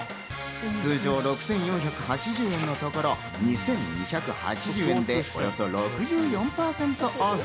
通常６４８０円のところ、２２８０円でおよそ６４％オフ。